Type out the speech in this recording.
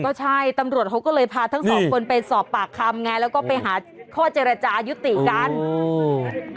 ก็ใช่ตำรวจเขาก็เลยพาทั้งสองคนไปสอบปากคำไงแล้วก็ไปหาข้อเจรจายุติกัน